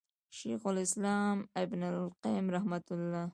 شيخ الإسلام ابن القيّم رحمه الله